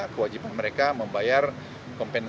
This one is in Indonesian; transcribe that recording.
kewajiban mereka membayar kompetitif